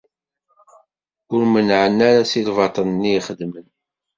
Ur mennɛen ara si lbaṭel-nni i xedmen.